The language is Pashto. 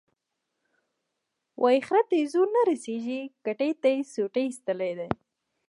وایي خره ته یې زور نه رسېږي، کتې ته یې سوټي ایستلي دي.